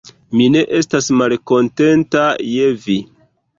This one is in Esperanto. Mi ne estas malkontenta je vi.